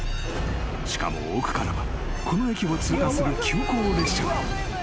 ［しかも奥からはこの駅を通過する急行列車が］